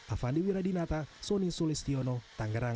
avandi wiradinata soni sulistiono tangerang